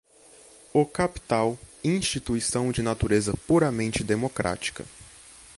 o capital, instituição de natureza puramente democrática